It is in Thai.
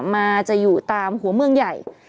มาจะอยู่ตามหัวเมืองใหญ่